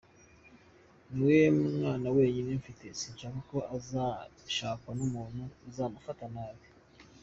Ni we mwana wenyine mfite, sinshaka ko azashakwa n’umuntu uzamufata nabi.